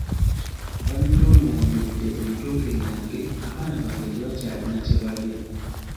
Banyonoonedde ebitooke byange, abaana bange tebakyalina kye balya.